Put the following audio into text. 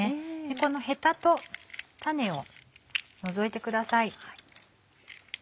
このヘタと種を除いてください。